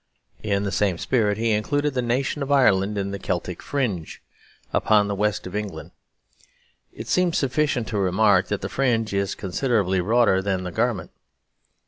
In the same spirit he included the nation of Ireland in the "Celtic fringe" upon the west of England. It seems sufficient to remark that the fringe is considerably broader than the garment.